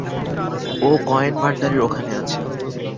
ও coin ভান্ডারের ওখানে আছে।